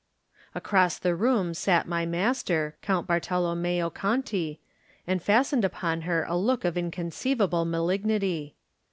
Across the room sat my master. Count Bartolommeo Conti, and fastened upon her a look of inconceivable malignity.